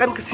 mas mas su